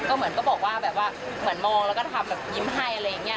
ก็เหมือนก็บอกว่าแบบว่าเหมือนมองแล้วก็ทำแบบยิ้มให้อะไรอย่างนี้